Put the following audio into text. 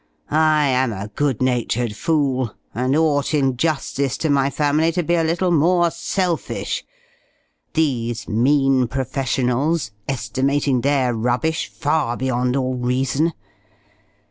I am a good natured fool, and ought, in justice to my family, to be a little more selfish these mean professionals estimating their rubbish far beyond all reason!